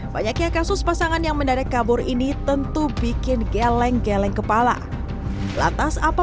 banyaknya kasus pasangan yang mendadak kabur ini tentu bikin geleng geleng kepala lantas apa